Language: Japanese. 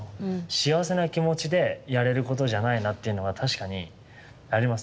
幸せな気持ちでやれることじゃないなっていうのが確かにあります。